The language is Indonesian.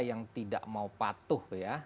yang tidak mau patuh ya